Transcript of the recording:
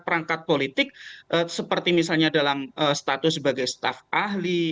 perangkat politik seperti misalnya dalam status sebagai staf ahli